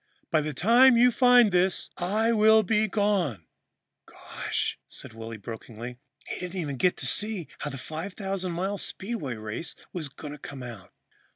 By the time you find this, I will be gone.'" "Gosh," said Willy brokenly, "he didn't even get to see how the 5000 mile Speedway Race was going to come out."